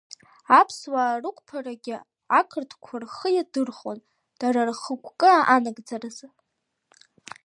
Аԥсуаа рықәԥарагьы ақырҭқәа рхы иадырхәон, дара рхықәкы анагӡараз.